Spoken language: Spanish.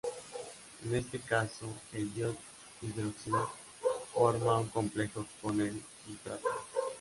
En este caso, el ion hidróxido forma un complejo con el sustrato.